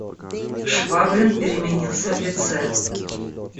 Швабрин переменился в лице.